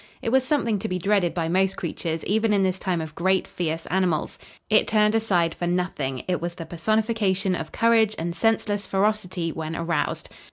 It was something to be dreaded by most creatures even in this time of great, fierce animals. It turned aside for nothing; it was the personification of courage and senseless ferocity when aroused.